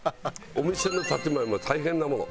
お店の建物も大変なもの。